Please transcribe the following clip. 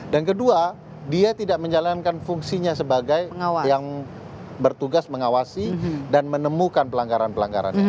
dan kedua dia tidak menjalankan fungsinya sebagai yang bertugas mengawasi dan menemukan pelanggaran pelanggaran